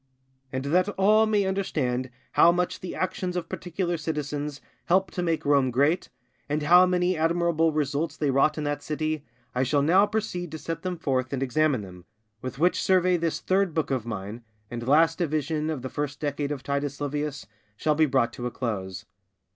And that all may understand how much the actions of particular citizens helped to make Rome great, and how many admirable results they wrought in that city, I shall now proceed to set them forth and examine them; with which survey this Third Book of mine, and last division of the First Decade of Titus Livius, shall be brought to a close.